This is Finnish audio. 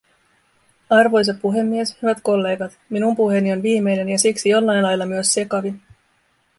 Arvoisa puhemies, hyvät kollegat, minun puheeni on viimeinen ja siksi jollain lailla myös sekavin.